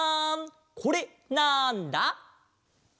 これなんだ？